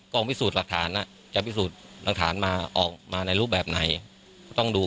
พิสูจน์หลักฐานจะพิสูจน์หลักฐานมาออกมาในรูปแบบไหนก็ต้องดู